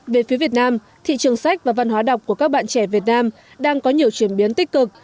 về phía việt nam thị trường sách và văn hóa đọc của các bạn trẻ việt nam đang có nhiều chuyển biến tích cực